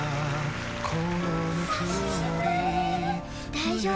大丈夫。